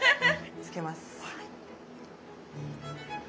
つけます。